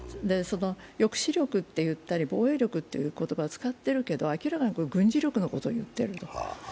抑止力って言ったり防衛力という言葉を使ってるけどこれは明らかに軍事力のことを言っていると。